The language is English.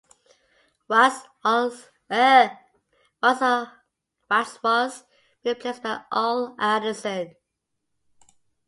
Watts was replaced by Ole Anderson.